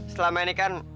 selama ini kan